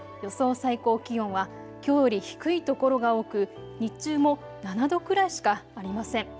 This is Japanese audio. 最高気温はきょうより低い所が多く、日中も７度くらいしかありません。